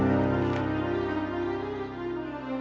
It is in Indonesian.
kamu sakit sih